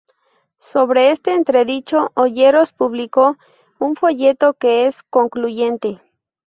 Sobre este entredicho Olleros publicó un folleto que es concluyente.